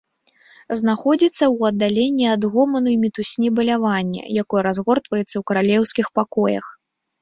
Знаходзіцца ў аддаленні ад гоману і мітусні балявання, якое разгортваецца ў каралеўскіх пакоях.